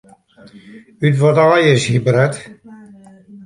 Ut wat aai is hy bret?